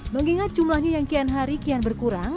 mengingat jumlahnya yang kian hari kian berkurang